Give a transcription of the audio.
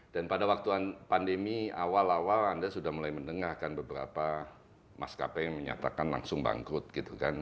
dan pada waktu pandemi awal awal anda sudah mulai mendengarkan beberapa maskapai yang menyatakan langsung bangkrut gitu kan